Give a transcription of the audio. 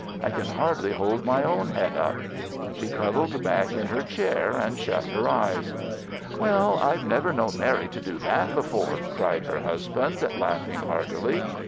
I can hardly hold my own head up." She cuddled back in her chair and shut her eyes. "Well, I've never known Mary do that before," cried her husband, laughing heartily.